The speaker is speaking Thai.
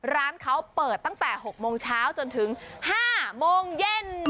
ร้านเขาเปิดตั้งแต่๖โมงเช้าจนถึง๕โมงเย็น